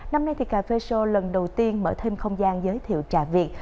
năm nay thì cà phê show lần đầu tiên mở thêm không gian giới thiệu trà việt